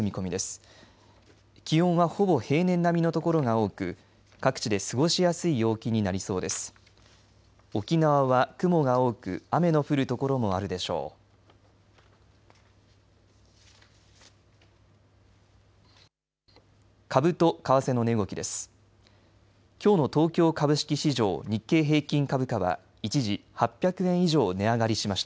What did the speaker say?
株と為替の値動きです。